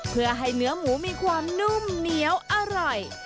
เพื่อให้เนื้อหมูมีความนุ่มเหนียวอร่อย